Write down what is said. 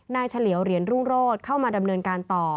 เฉลียวเหรียญรุ่งโรศเข้ามาดำเนินการต่อ